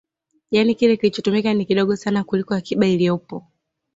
Yani kile kilichotumika ni kidogo sana kuliko akiba iliyopo